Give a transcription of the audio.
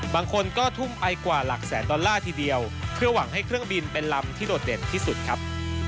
บางคนก็ทุ่มไปกว่าหลักแสนดอลลาร์ทีเดียวเพื่อหวังให้เครื่องบินเป็นลำที่โดดเด่นที่สุดครับ